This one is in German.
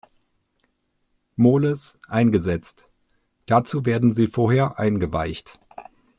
Moles, eingesetzt; dazu werden sie vorher eingeweicht.